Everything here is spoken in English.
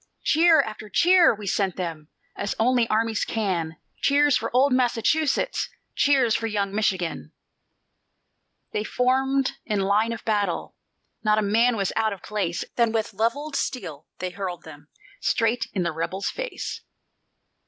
Cheer after cheer we sent them, As only armies can, Cheers for old Massachusetts, Cheers for young Michigan! They formed in line of battle; Not a man was out of place. Then with levelled steel they hurled them Straight in the rebels' face.